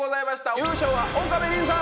優勝は岡部麟さん！